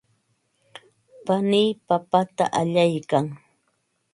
panii papata allaykan.